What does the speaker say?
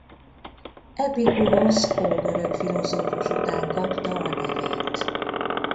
Epikurosz ógörög filozófus után kapta a nevét.